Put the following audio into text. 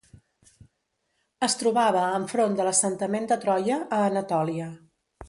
Es trobava enfront de l'assentament de Troia a Anatòlia.